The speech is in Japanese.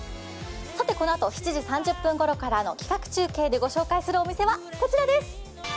さて、このあと７時３０分ごろからの企画中継でご紹介するお店はこちらです。